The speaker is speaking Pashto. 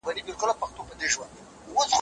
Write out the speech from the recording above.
که جاکټ وي نو سینه نه دردیږي.